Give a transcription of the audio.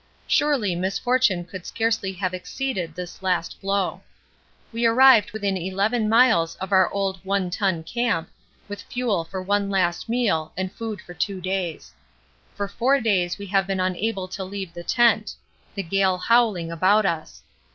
Surely misfortune could scarcely have exceeded this last blow. We arrived within 11 miles of our old One Ton Camp with fuel for one last meal and food for two days. For four days we have been unable to leave the tent the gale howling about us.